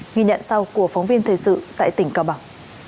ghi nhận sau của phóng viên thời sự tại tỉnh cao bằng